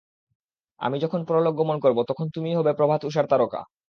আমি যখন পরলোক গমন করব, তখন তুমিই হবে প্রভাত-ঊষার তারকা।